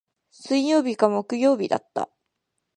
水曜日か木曜日だった。